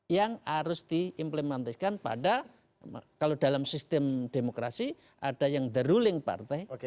yang harus diimplementasikan pada kalau dalam sistem demokrasi ada yang the ruling partai